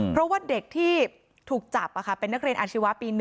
เพราะว่าเด็กที่ถูกจับเป็นนักเรียนอาชีวะปี๑